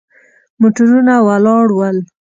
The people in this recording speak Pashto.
موټرونه ولاړ ول.